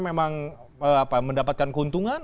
memang mendapatkan keuntungan